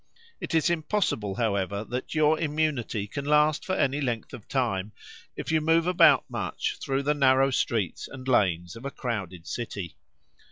It is impossible, however, that your immunity can last for any length of time if you move about much through the narrow streets and lanes of a crowded city.